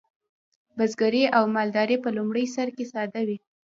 بزګري او مالداري په لومړي سر کې ساده وې.